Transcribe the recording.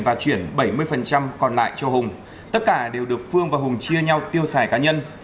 và chuyển bảy mươi còn lại cho hùng tất cả đều được phương và hùng chia nhau tiêu xài cá nhân